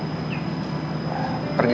tidak ada yang bisa om hubungi